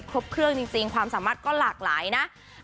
ครบเครื่องจริงความสามารถก็หลากหลายนะ